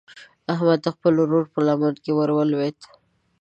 احمد د خپل ورور په لمن کې ور ولوېد.